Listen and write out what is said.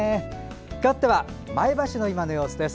かわっては前橋の今の様子です。